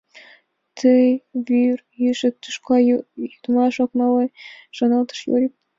«Ты вӱр йӱшӧ тӱшка йӱдымат ок мале, ала-мо?» — шоналтыш Юрик.